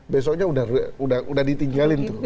besoknya udah ditinggalin tuh